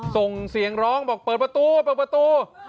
ส่งเสียงร้องบอกเปิดประตูเปิดประตู